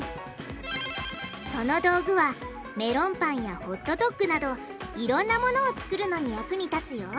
その道具はメロンパンやホットドッグなどいろんなものを作るのに役に立つよ！